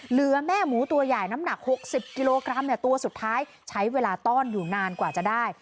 เหลือแม่หมูตัวใหญ่น้ำหนัก๖๐กิโลกรัมตัวสุดท้ายใช้เวลาต้อนอยู่นานกว่าจะได้